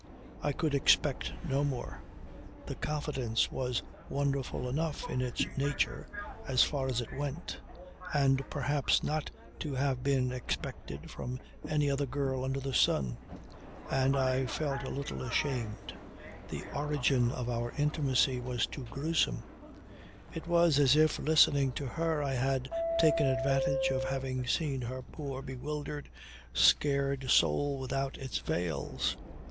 I could expect no more. The confidence was wonderful enough in its nature as far as it went, and perhaps not to have been expected from any other girl under the sun. And I felt a little ashamed. The origin of our intimacy was too gruesome. It was as if listening to her I had taken advantage of having seen her poor bewildered, scared soul without its veils.